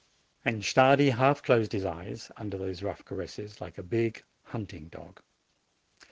And Stardi half closed his eyes, under these rough caresses, like a big hunting dog.